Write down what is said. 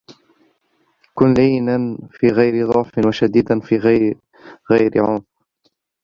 كن لَيِّنًا في غير ضعف وشديداً في غير عنف